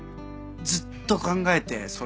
ずっと考えてそれ？